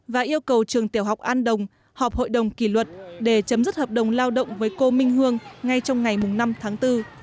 và yêu cầu trường tiểu học an đồng họp hội đồng kỷ luật để chấm dứt hợp đồng lao động với cô minh hương ngay trong ngày năm tháng bốn